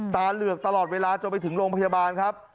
เหลือกตลอดเวลาจนไปถึงโรงพยาบาลครับ